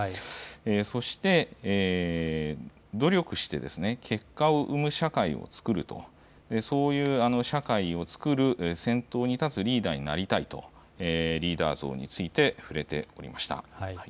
そして、努力して結果を生む社会をつくると、そういう社会をつくる先頭に立つリーダーになりたいと、リーダー像について触れておりました。